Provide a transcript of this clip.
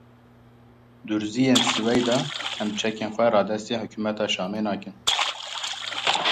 Durziyên Siweyda: Em çekên xwe radestî hikûmeta Şamê nakin.